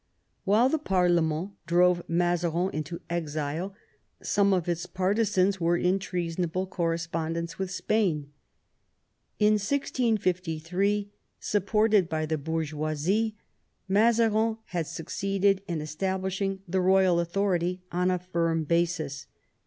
While the parlement drove Mazarin into exile, some of its partisans were in treason able correspondence with Spain. In 1653, supported by the bourgeoisie, Mazarin had succeeded in establishing the royal authority on a firm basis.